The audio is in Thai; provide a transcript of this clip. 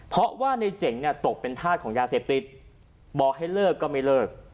เพราะว่านายเจ๋งตกเป็นทาสของยาเสบติดบอกให้เลิกก็ไม่เลิก